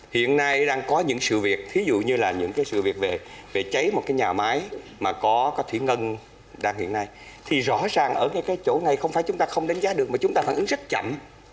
hiện nay đang có những sự việc thí dụ như là những cái sự việc về cháy một cái nhà máy mà có thủy ngân đang hiện nay thì rõ ràng ở cái chỗ này không phải chúng ta không đánh giá được mà chúng ta phản ứng rất chậm